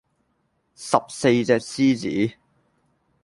十四隻獅子